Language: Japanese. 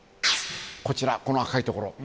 こちら、この赤いところ。